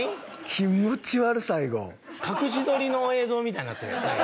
気持ち悪っ最後隠し撮りの映像みたいになってるやん